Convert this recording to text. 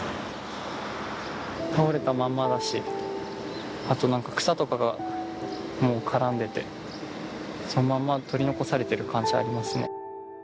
倒れたまんまだし、あとなんか、草とかがもう絡んでて、そのまんま取り残されてる感じありますね。